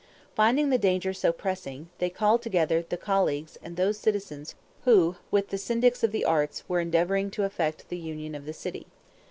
Finding the danger so pressing, they called together the colleagues and those citizens who with the syndics of the arts were endeavoring to effect the union of the city.